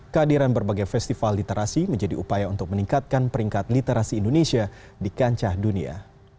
kehadiran berbagai festival literasi menjadi upaya untuk meningkatkan peringkat literasi indonesia di kancah dunia